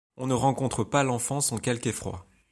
On ne rencontre -pas l’enfant sans quelque effroi ;